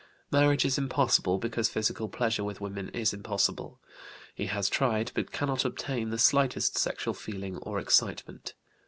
Marriage is impossible, because physical pleasure with women is impossible; he has tried, but cannot obtain, the slightest sexual feeling or excitement.